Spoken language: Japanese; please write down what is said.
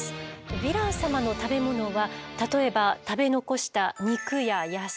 ヴィラン様の食べ物は例えば食べ残した肉や野菜。